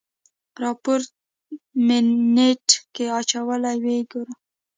راپور مې نېټ کې اچولی ويې ګوره.